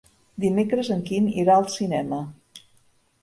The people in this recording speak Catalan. Dimecres en Quim irà al cinema.